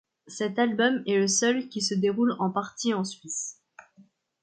Cet album est le seul qui se déroule en partie en Suisse.